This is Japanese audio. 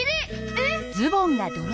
えっ？